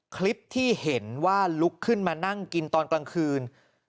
คลิปที่เห็นว่าลุกขึ้นมานั่งกินตอนกลางคืน